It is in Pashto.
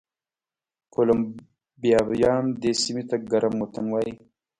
کولمبیایان دې سیمې ته ګرم وطن وایي.